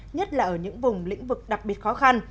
nhất là ở những vùng lĩnh vực đặc biệt khó khăn